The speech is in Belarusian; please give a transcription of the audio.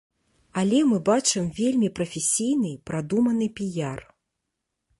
Але мы бачым вельмі прафесійны, прадуманы піяр.